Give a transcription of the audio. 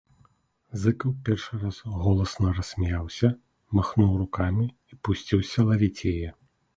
Зыкаў першы раз голасна рассмяяўся, махнуў рукамі і пусціўся лавіць яе.